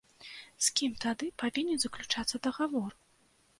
З кім тады павінен заключацца дагавор?